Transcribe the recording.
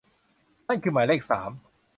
นั่นคือหมายเลขสาม